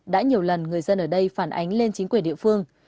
đã nhiều lần người dân ở đây phản ánh lên chính quyền địa phương